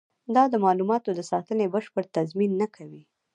دا د معلوماتو د ساتنې بشپړ تضمین نه کوي.